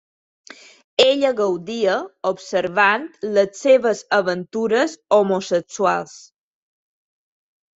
Ella gaudia observant les seves aventures homosexuals.